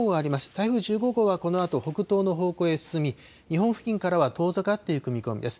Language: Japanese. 台風１５号はこのあと北東の方向へ進み、日本付近からは遠ざかっていく見込みです。